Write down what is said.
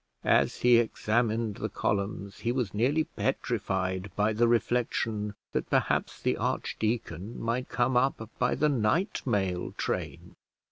As he examined the columns, he was nearly petrified by the reflection that perhaps the archdeacon might come up by the night mail train!